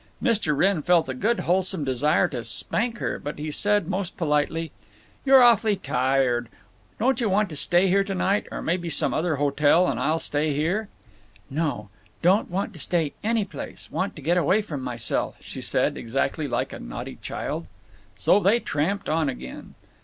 Mr. Wrenn felt a good wholesome desire to spank her, but he said, most politely: "You're awful tired. Don't you want to stay here tonight? Or maybe some other hotel; and I'll stay here." "No. Don't want to stay any place. Want to get away from myself," she said, exactly like a naughty child. So they tramped on again.